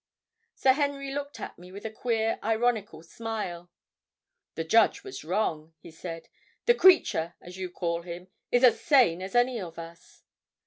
Sir Henry looked at me with a queer ironical smile. "The judge was wrong," he said. "The creature, as you call him, is as sane as any of us."